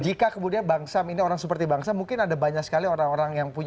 jika kemudian bang sam ini orang seperti bang sam mungkin ada banyak sekali orang orang yang punya